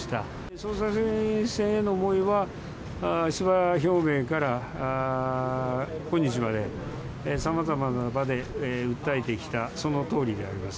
総裁選への思いは、出馬表明から今日まで、さまざまな場で訴えてきた、そのとおりであります。